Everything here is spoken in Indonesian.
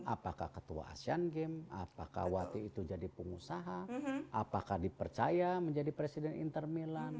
apakah ketua asean games apakah waktu itu jadi pengusaha apakah dipercaya menjadi presiden inter milan